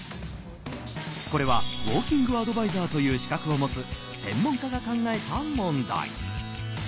これはウォーキングアドバイザーという資格を持つ専門家が考えた問題。